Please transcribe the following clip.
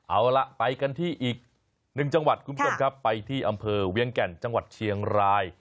เอาล่ะไปกันที่อีกหนึ่งจังหวัดคุณผู้ชมครับไปที่อำเภอเวียงแก่นจังหวัดเชียงราย